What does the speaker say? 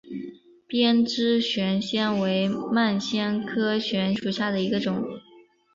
鞭枝悬藓为蔓藓科悬藓属下的一个种。